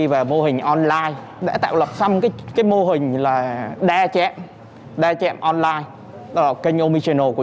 và mô hình online đã tạo lập xong cái mô hình là đa chạm đa chạm online kênh omnichannel của